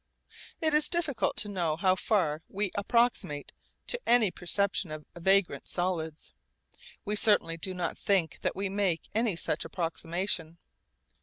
It is difficult to know how far we approximate to any perception of vagrant solids. We certainly do not think that we make any such approximation.